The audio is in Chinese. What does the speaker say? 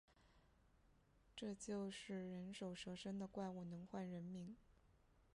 这是人首蛇身的怪物，能唤人名